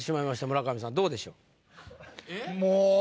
村上さんどうでしょう？